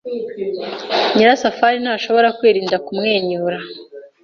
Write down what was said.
Nyirasafari ntashobora kwirinda kumwenyura.